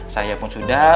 saya pun sudah